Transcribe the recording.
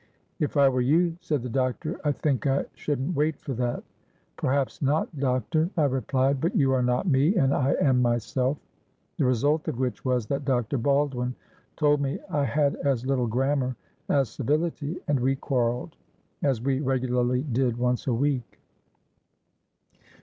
''If I were you,' said the doctor, 'I think I shouldn't wait for that.''Perhaps not, doctor,' I replied, 'but you are not me, and I am myself.' The result of which was that Dr. Baldwin told me I had as little grammar as civility, and we quarrelledas we regularly did once a week."